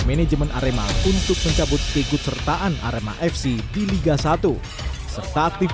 manajemen arema untuk mencabut pekut sertaan arema fc di liga satu serta aktif